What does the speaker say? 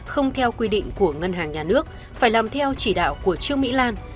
không theo quy định của ngân hàng nhà nước phải làm theo chỉ đạo của trương mỹ lan